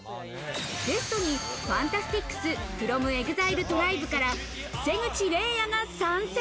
ゲストに、ＦＡＮＴＡＳＴＩＣＳｆｒｏｍＥＸＩＬＥＴＲＩＢＥから瀬口黎弥が参戦。